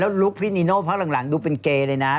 แล้วลุคพี่นิโนตภักดิ์หลังดูเป็นเกย์เลยนะ